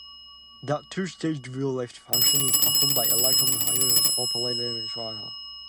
The two-stage valve-lift function is performed by electro-hydraulically operated switchable tappets.